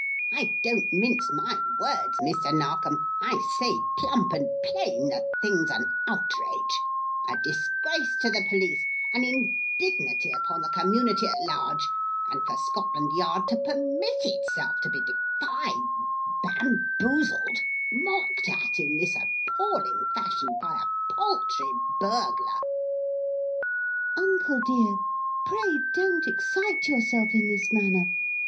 I don't mince my words, Mr. Narkom I say plump and plain the thing's an outrage, a disgrace to the police, an indignity upon the community at large; and for Scotland Yard to permit itself to be defied, bamboozled, mocked at in this appalling fashion by a paltry burglar " "Uncle, dear, pray don't excite yourself in this manner.